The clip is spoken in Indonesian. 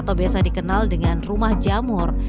atau biasa dikenal dengan rumah jamur